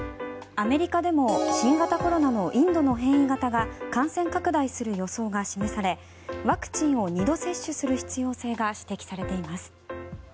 アメリカでも新型コロナのインドの変異型が感染拡大する予想が示されワクチンを２度接種する必要性が指摘されています。